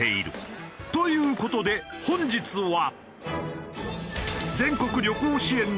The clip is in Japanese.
という事で本日は。